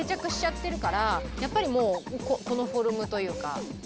やっぱりもうこのフォルムというか。